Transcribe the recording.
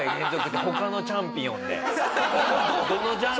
どのジャンルでも。